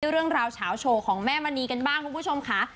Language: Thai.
เรื่องราวเฉาโชว์ของแม่มณีกันบ้างคุณผู้ชมค่ะ